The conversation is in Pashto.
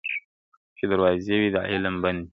چي دروازې وي د علم بندي ..